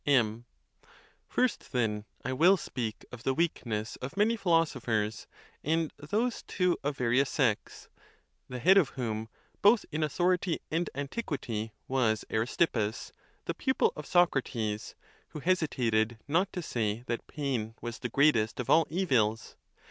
&. First, then, I will speak of the weakness of many philosophers, and those, too, of various sects; the head of whom, both in authority and antiquity, was Aristippus, the pupil of Socrates, who hesitated not to say that pain was the greatest of all evils.